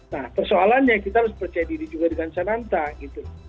nah persoalannya kita harus percaya diri juga dengan sananta gitu